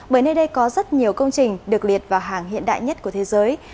bởi nơi đây có rất nhiều công trình được liệt vào hàng hiện đại nhất của thế giới